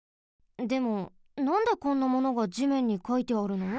でもなんでこんなものが地面にかいてあるの？